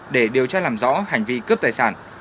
để điều tra làm rõ hành vi cướp tài sản